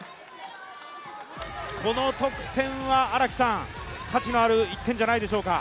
この得点は価値のある１点じゃないでしょうか。